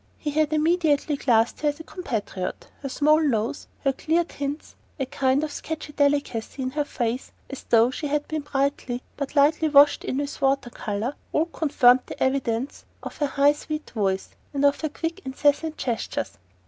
He had immediately classed her as a compatriot; her small nose, her clear tints, a kind of sketchy delicacy in her face, as though she had been brightly but lightly washed in with water colour, all confirmed the evidence of her high sweet voice and of her quick incessant gestures.